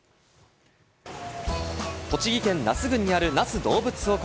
栃木県那須郡にある那須どうぶつ王国。